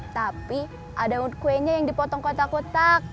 tapi ada kuenya yang dipotong kotak kotak